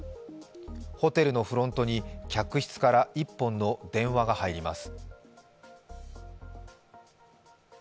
ホテルのフロントに客室から１本の電話が入ります。